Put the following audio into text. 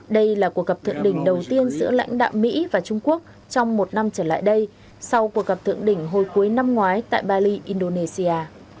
đây là cuộc gặp thượng đỉnh đầu tiên giữa lãnh đạo mỹ và trung quốc trong một năm trở lại đây sau cuộc gặp thượng đỉnh hồi cuối năm ngoái tại bali indonesia